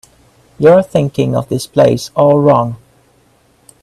You're thinking of this place all wrong.